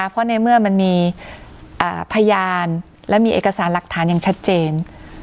เพราะในเมื่อมันมีพยานและมีเอกสารหลักฐานอย่างชัดเจน